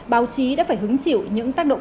báo chí đã phải hứng chịu những tác động